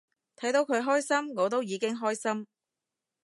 睇到佢開心我都已經開心